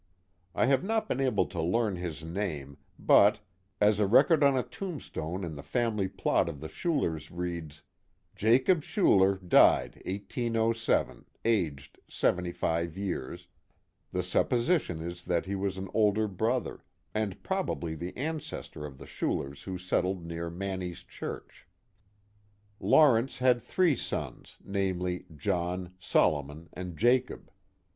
I have not been able to learn his name, but, as a record on a tombstone in the family plot of the Schulers reads, Jacob Schuler, Died 1807, Aged 75 Years," the supposition is that he was an older brother, and probably the ancestor of the Schulers who settled near Manny's Church. Lawrence had three sons, namely, John, Solomon, and Jacob.